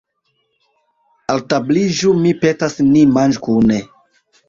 Altabliĝu, mi petas, ni manĝu kune.